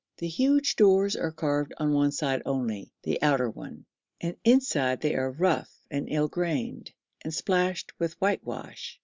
The huge doors are carved on one side only, the outer one, and inside they are rough and ill grained and splashed with whitewash.